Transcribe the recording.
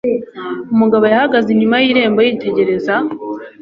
Umugabo yahagaze inyuma y irembo yitegereza